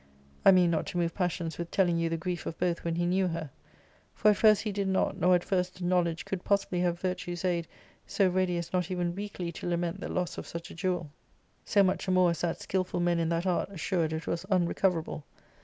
\\ mean not to move passions with telling | you the grief of both when he knew her^ for at first he did ! not, nor at first knowledge could possibly have virtue's aid so ready as not even weakly to lament the loss of such a / jewel ; so much the more as that skilful men in that art *^ assured it was unrecoverable.